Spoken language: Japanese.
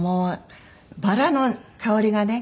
バラの香りがね